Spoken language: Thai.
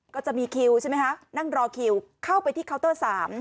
ก็จะมีคิวใช่ไหมคะนั่งรอคิวเข้าไปที่เคาน์เตอร์๓